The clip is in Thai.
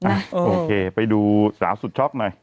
โอเคไปดูสาวสุดช็อกหน่อย